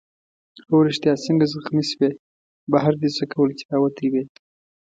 هو ریښتیا څنګه زخمي شوې؟ بهر دې څه کول چي راوتی وې؟